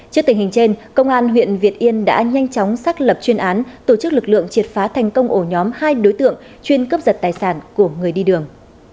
trước tình hình trên công an huyện việt yên đã nhanh chóng xác lập chuyên án tổ chức lực lượng triệt phá thành công ổ nhóm hai đối tượng chuyên cướp giật tài sản của người đi đường